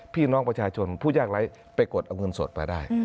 พี่น้องประชาชนผู้ยากไร้ไปกดเอาเงินสดมาได้